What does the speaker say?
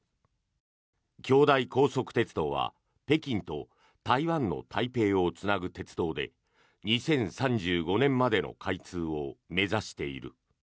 京台高速鉄道は北京と台湾の台北をつなぐ鉄道で２０３５年までの開通を目指している。